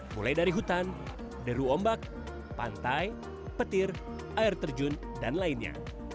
mulai dari hutan deru ombak pantai petir air terjun dan lainnya